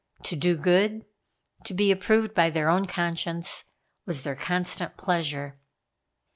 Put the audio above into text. To do good, to be approved by their own conscience, was their constant pleasure.